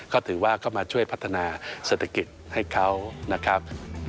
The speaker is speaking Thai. ก็ถือว่าเข้ามาช่วยพัฒนาเศรษฐกิจให้เขานะครับ